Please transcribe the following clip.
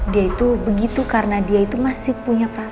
dia itu begitu karena dia itu masih punya perasaan